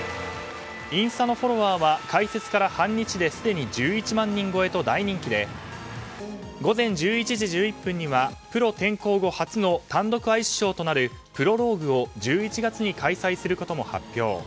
インスタのフォロワーは開設から半日ですでに１１万人超えと大人気で午前１１時１１分にはプロ転向後初の単独アイスショーとなる「プロローグ」を１１月に開催することも発表。